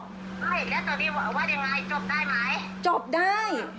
ไม่แล้วตอนนี้ว่ายังไงจบได้ไหม